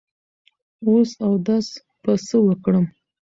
وس اودس په څۀ وکړم